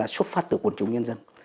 xuất phát từ quận chủ nhân dân